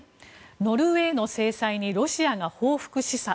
ノルウェーの制裁にロシアが報復示唆。